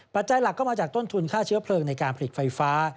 จัยหลักก็มาจากต้นทุนค่าเชื้อเพลิงในการผลิตไฟฟ้า